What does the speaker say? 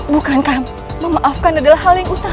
bukankah memaafkan adalah hal yang utama